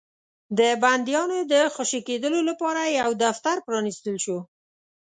د بنديانو د خوشي کېدلو لپاره يو دفتر پرانيستل شو.